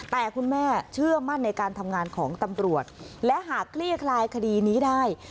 แต่คุณแม่เชื่อมั่นในการทำงานของตำรวจและหากคลี่คลายคดีนี้ได้